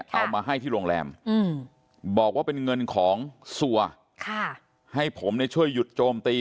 เอามาให้ที่โรงแรมบอกว่าเป็นเงินของซัวให้ผมช่วยหยุดโจมตี